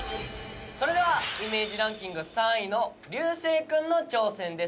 それではイメージランキング３位の流星くんの挑戦です。